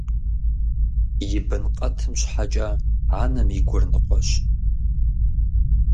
И бын къэтым щхьэкӀэ анэм и гур ныкъуэщ.